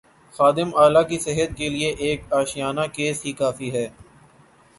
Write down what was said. خادم اعلی کی صحت کیلئے یہ ایک آشیانہ کیس ہی کافی ہے۔